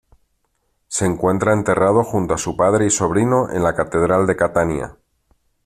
Se encuentra enterrado junto a su padre y sobrino en la Catedral de Catania.